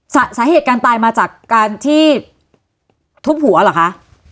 สาเหตุการตายมาจากการที่ทุบหัวเหรอคะ